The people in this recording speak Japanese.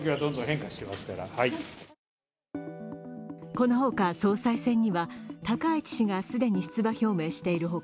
このほか、総裁選には高市氏が既に出馬表明している他